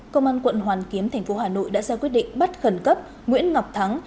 công an quận hoàn kiếm thành phố hà nội đã ra quyết định bắt khẩn cấp nguyễn ngọc thắng